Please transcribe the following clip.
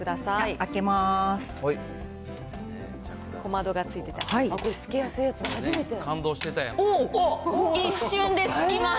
開けます。